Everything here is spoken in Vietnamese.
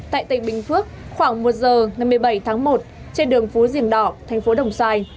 tại tỉnh bình phước khoảng một giờ ngày một mươi bảy tháng một trên đường phú diềng đỏ thành phố đồng xoài